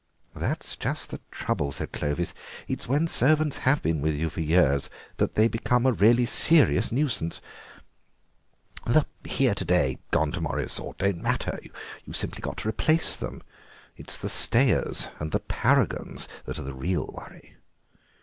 "That's just the trouble," said Clovis. "It's when servants have been with you for years that they become a really serious nuisance. The 'here to day and gone to morrow' sort don't matter—you've simply got to replace them; it's the stayers and the paragons that are the real worry."